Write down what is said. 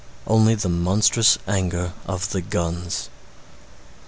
Only the monstrous anger of the guns.